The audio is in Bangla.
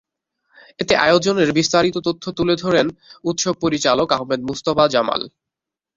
এতে আয়োজনের বিস্তারিত তথ্য তুলে ধরেন উৎসব পরিচালক আহমেদ মুজতবা জামাল।